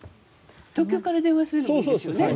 東京から電話するのもいいですよね。